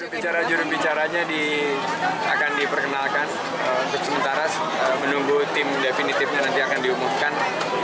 bicara jurubicaranya akan diperkenalkan untuk sementara menunggu tim definitifnya nanti akan diumumkan